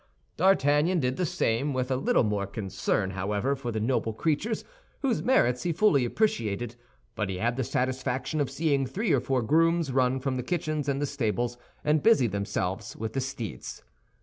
D'Artagnan did the same, with a little more concern, however, for the noble creatures, whose merits he fully appreciated; but he had the satisfaction of seeing three or four grooms run from the kitchens and the stables, and busy themselves with the steeds.